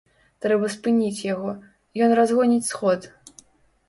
Трэба спыніць яго, ён разгоніць сход.